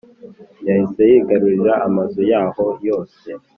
yahise yigarurira amazu yahoo yose